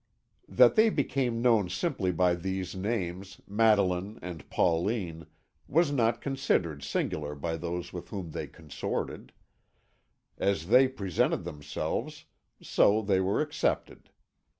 That they became known simply by these names, Madeline and Pauline, was not considered singular by those with whom they consorted; as they presented themselves, so they were accepted.